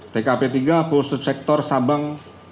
tkp tiga pulsa sektor sabang